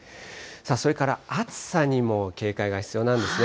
それから暑さにも警戒が必要なんですね。